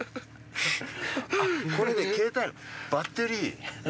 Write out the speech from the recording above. これ携帯のバッテリー？